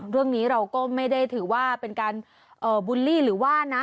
เรื่องนี้เราก็ไม่ได้ถือว่าเป็นการบูลลี่หรือว่านะ